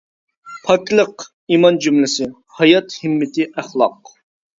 پاكلىق، ئىمان جۈملىسى، ھايات ھىممىتى ئەخلاق.